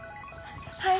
はい。